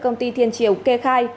công ty thiên triều kê khai